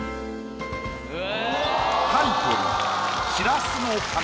タイトル。